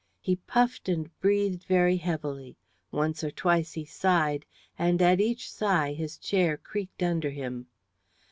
He puffed and breathed very heavily; once or twice he sighed, and at each sigh his chair creaked under him.